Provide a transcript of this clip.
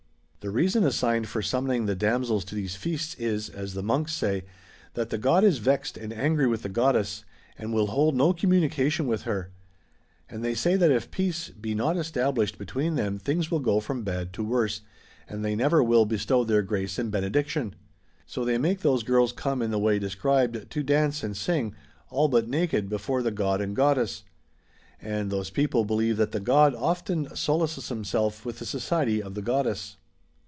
'* [The reason assigned for summoning the damsels to these feasts is, as the monks say, that the god is vexed and angry with the goddess, and will hold no communication with her ; and they say that if peace be not established between them things will go from bad to worse, and they never will bestow their grace and benediction. So they make those girls come in the way described, to dance and sing, all but naked, before the god and the goddess. And those people believe that the god often solaces himself with the society of the goddess.